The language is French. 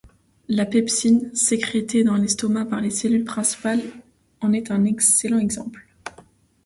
La pepsine, sécrétée dans l’estomac par les cellules principales, en est un excellent exemple.